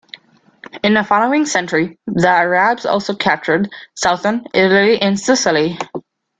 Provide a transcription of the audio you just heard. In the following century, the Arabs also captured southern Italy and Sicily.